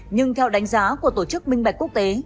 nhưng theo đánh giá của tổ chức minh bạch quốc tế